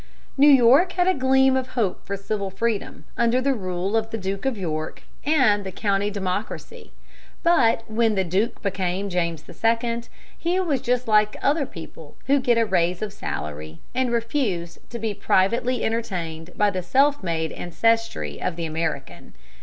New York had a gleam of hope for civil freedom under the rule of the Duke of York and the county Democracy, but when the duke became James II. he was just like other people who get a raise of salary, and refused to be privately entertained by the self made ancestry of the American.